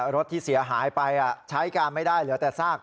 รถที่เสียหายไปใช้การไม่ได้เหลือแต่ซาก